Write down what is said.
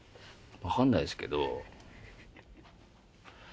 わかんないですけど。